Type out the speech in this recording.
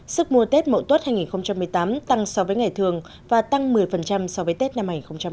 sức mùa tết mậu tốt hai nghìn một mươi tám tăng so với ngày thường và tăng một mươi so với tết năm hai nghìn một mươi bảy